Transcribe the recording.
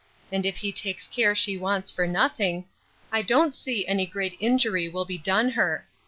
And if he takes care she wants for nothing, I don't see any great injury will be done her.